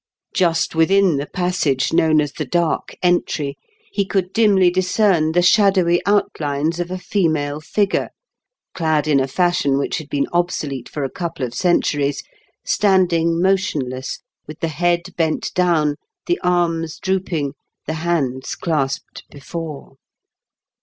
Just within the passage known as the Dark Entry he could dimly discern the shadowy outlines of a female figure, clad in a fashion which had been obsolete for a couple of centuries, standing motionless, with the head bent down, the arms drooping, the hands clasped before.